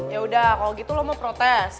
yaudah kalo gitu lo mau protes